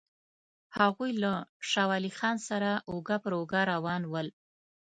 هغوی له شاه ولي خان سره اوږه پر اوږه روان ول.